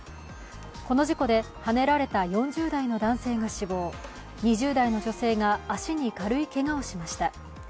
この事故で、はねられた４０代の男性が死亡２０代の女性が足に軽いけがをしました。